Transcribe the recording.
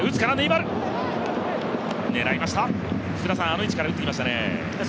あの位置から打ってきましたね。